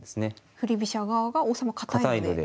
振り飛車側が王様堅いので。